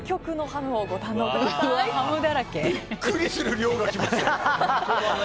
ハムだらけ。